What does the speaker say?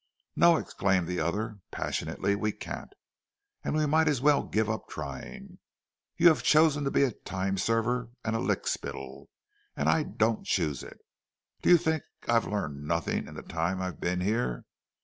"No," exclaimed the other, passionately, "we can't. And we might as well give up trying. You have chosen to be a time server and a lick spittle, and I don't choose it! Do you think I've learned nothing in the time I've been here?